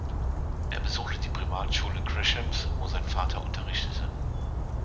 Er besuchte die Privatschule Gresham’s, wo sein Vater unterrichtete.